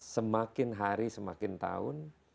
semakin hari semakin tahun